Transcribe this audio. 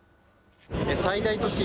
最大都市